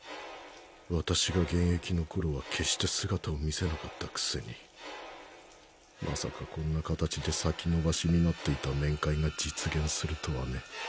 私が現役の頃は決して姿を見せなかったくせにまさかこんな形で先延ばしになっていた面会が実現するとはね。